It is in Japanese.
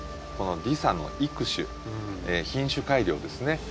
このディサの育種品種改良ですね。